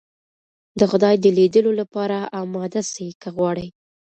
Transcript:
د خدای د ليدلو لپاره اماده سئ که غواړئ.